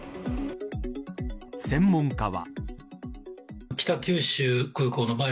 専門家は。